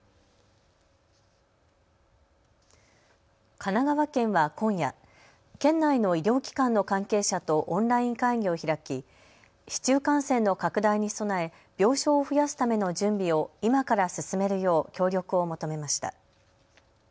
神奈川県は今夜、県内の医療機関の関係者とオンライン会議を開き市中感染の拡大に備え病床を増やすための準備を今から進めるよう協力を求めました。